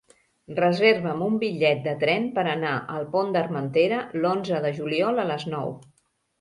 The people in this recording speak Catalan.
Reserva'm un bitllet de tren per anar al Pont d'Armentera l'onze de juliol a les nou.